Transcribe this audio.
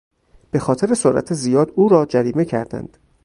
به خاطر سرعت زیاد او را جریمه کردند.